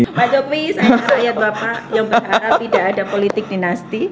pak jokowi sama rakyat bapak yang berharap tidak ada politik dinasti